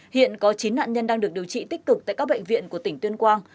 hiện có chín nạn nhân đang được điều trị tích cực tại các bệnh viện của tỉnh tuyên quang